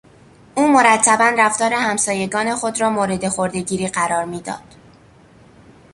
او مرتبا رفتار همسایگان خود را مورد خردهگیری قرار میداد.